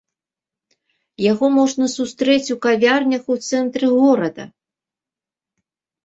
Яго можна сустрэць у кавярнях у цэнтры горада.